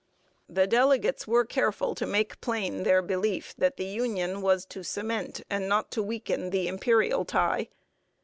The delegates were careful to make plain their belief that the union was to cement and not to weaken the Imperial tie.